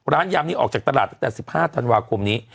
ยำนี้ออกจากตลาดตั้งแต่๑๕ธันวาคมนี้